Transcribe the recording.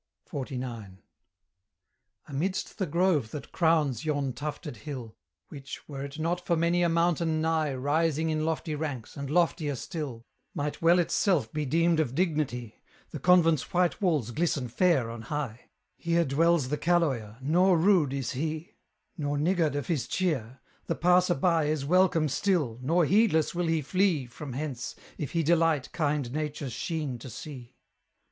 XLIX. Amidst the grove that crowns yon tufted hill, Which, were it not for many a mountain nigh Rising in lofty ranks, and loftier still, Might well itself be deemed of dignity, The convent's white walls glisten fair on high; Here dwells the caloyer, nor rude is he, Nor niggard of his cheer: the passer by Is welcome still; nor heedless will he flee From hence, if he delight kind Nature's sheen to see.